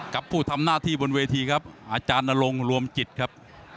ผู้ทำหน้าที่บนเวทีครับอาจารย์นรงค์รวมจิตครับ